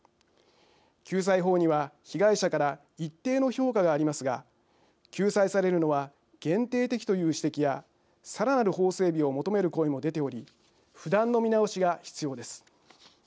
救済法には被害者から一定の評価がありますが救済されるのは限定的という指摘やさらなる法整備を求める声も出ており不断の見直しが必要です。